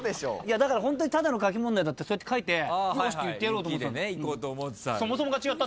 だからホントにただの書き問題だったらそうやって書いて「よし！」って言ってやろうと思ってた。